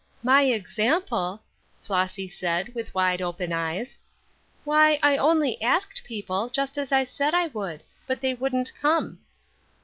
"My example!" Flossy said, with wide open eyes. "Why, I only asked people, just as I said I would; but they wouldn't come."